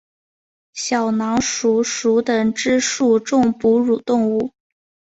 小囊鼠属等之数种哺乳动物。